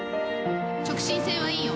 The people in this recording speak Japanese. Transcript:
直進性はいいよ。